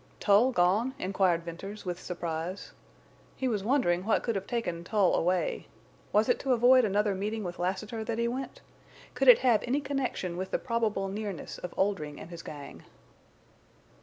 "Tull gone?" inquired Venters, with surprise. He was wondering what could have taken Tull away. Was it to avoid another meeting with Lassiter that he went? Could it have any connection with the probable nearness of Oldring and his gang?